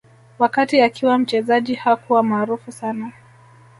Wakati akiwa mchezaji hakuwa maarufu sana